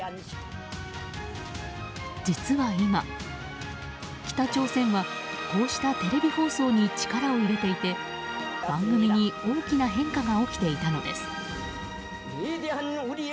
実は今、北朝鮮はこうしたテレビ放送に力を入れていて、番組に大きな変化が起きていたのです。